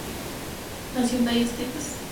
Nació en Dallas, Texas.